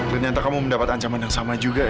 ternyata kamu mendapat ancaman yang sama juga